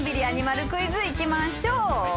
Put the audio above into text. アニマルクイズいきましょう。